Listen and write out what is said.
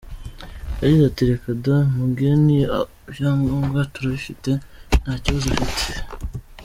Yagize ati “Reka da, Mugheni ibyangombwa turabifite nta kibazo afite.